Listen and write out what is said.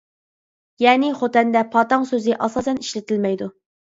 يەنى خوتەندە پاتاڭ سۆزى ئاساسەن ئىشلىتىلمەيدۇ.